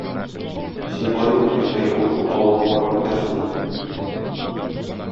Син бар инде, иртәгә ул шул авылга барып җитәрсең.